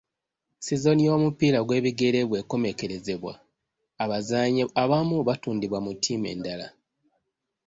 Sizoni y'omupiira gw'ebigere bwe komekkerezebwa, abazannyi abamu batundibwa mu ttiimu endala.